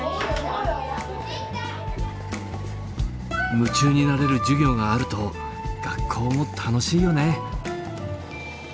夢中になれる授業があると学校も楽しいよね。